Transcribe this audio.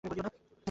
এভাবে বলিও না।